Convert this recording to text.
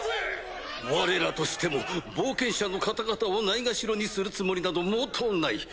・われらとしても冒険者の方々をないがしろにするつもりなど毛頭ない。